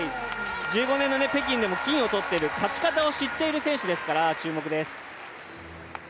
１５年の北京でも金を取っている、勝ち方を知っている選手ですから注目です。